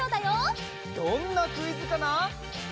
どんなクイズかな？